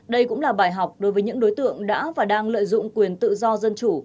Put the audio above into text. đây cũng là bài học đối với những đối tượng đã và đang lợi dụng quyền tự do dân chủ